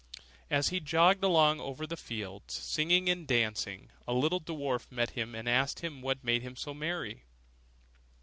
As he jogged along over the fields, singing and dancing, a little dwarf met him, and asked him what made him so merry.